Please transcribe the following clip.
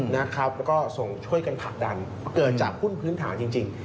แล้วก็ส่งช่วยกันผลักดันเกิดจากหุ้นพื้นฐานจริง